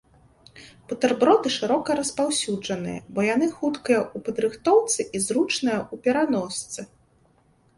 Бутэрброды шырока распаўсюджаныя, бо яны хуткія ў падрыхтоўцы і зручныя ў пераносцы.